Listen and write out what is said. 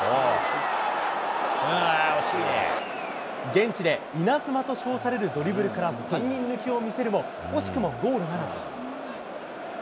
現地で稲妻と称されるドリブルから３人抜きを見せるも、惜しくもゴールならず。